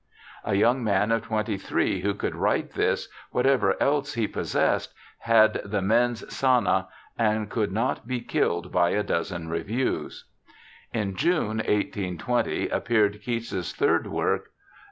A young man of twenty three who could write this, whatever else he possessed, had the mens sana, and could not be killed by a dozen reviews. In June, 1820, appeared Keats's third work.